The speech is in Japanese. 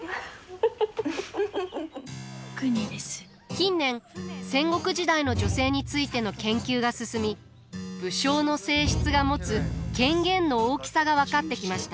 近年戦国時代の女性についての研究が進み武将の正室が持つ権限の大きさが分かってきました。